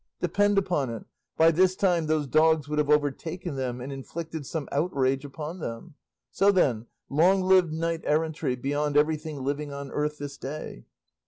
Depend upon it, by this time those dogs would have overtaken them and inflicted some outrage upon them. So, then, long live knight errantry beyond everything living on earth this day!"